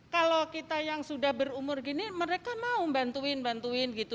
kalau kita yang sudah berumur gini mereka mau bantuin bantuin gitu